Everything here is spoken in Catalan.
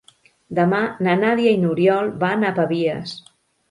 Demà na Nàdia i n'Oriol van a Pavies.